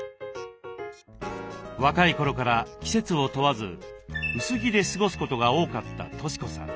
若い頃から季節を問わず薄着で過ごすことが多かった俊子さん。